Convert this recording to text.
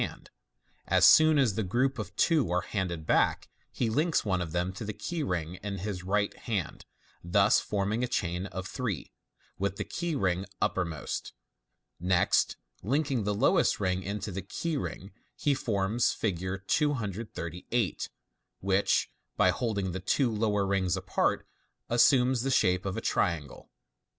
As soon as the group of two are handed back, he links one of them to the key ring in his right hand, thus forming a chain of three, with the key ring uppermost. Next linking the lowest ring into the key ring, he forms Fig. 238, which, by holding the two lower rings apart, assumes the shape of a triangle.